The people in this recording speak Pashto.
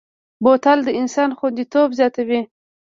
بوتل د انسان خوندیتوب زیاتوي.